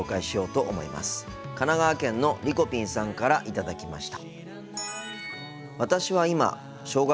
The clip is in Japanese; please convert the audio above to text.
神奈川県のりこぴんさんから頂きました。